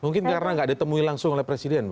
mungkin karena nggak ditemui langsung oleh presiden